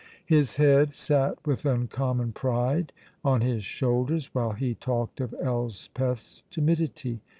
His head sat with uncommon pride on his shoulders while he talked of Elspeth's timidity.